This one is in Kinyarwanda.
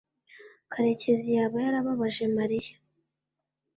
karekezi yaba yarababaje mariya